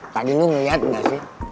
tadi lo ngeliat gak sih